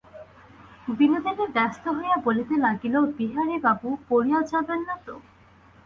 বিনোদিনী ব্যস্ত হইয়া বলিতে লাগিল, বিহারীবাবু, পড়িয়া যাবেন না তো?